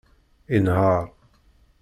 Inehheṛ.